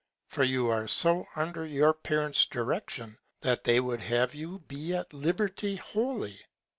For you are so under your Parents Direction, that they would have you be at Liberty wholly.